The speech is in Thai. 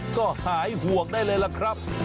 ก็หายห่วงได้เลยล่ะครับ